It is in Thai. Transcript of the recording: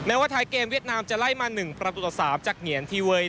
ว่าท้ายเกมเวียดนามจะไล่มา๑ประตูต่อ๓จากเหงียนทีเวย